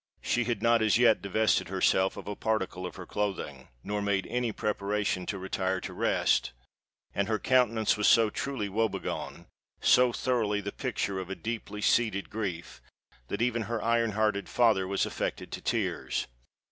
She had not as yet divested herself of a particle of her clothing, nor made any preparation to retire to rest; and her countenance was so truly woebegone—so thoroughly the picture of a deeply seated grief, that even her iron hearted father was affected to tears.